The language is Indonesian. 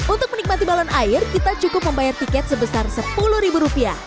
untuk menikmati balon air kita cukup membayar tiket sebesar sepuluh ribu rupiah